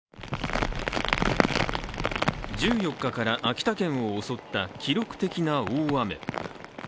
１４日から秋田県を襲った記録的な大雨。